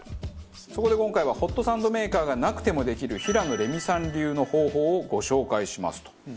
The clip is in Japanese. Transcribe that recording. そこで今回はホットサンドメーカーがなくてもできる平野レミさん流の方法をご紹介しますと。